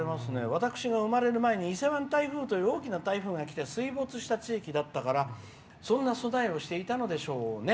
「私が生まれる前に伊勢湾台風という大きな台風がきて水没した地域だったからそういう備えをしていたんでしょうね。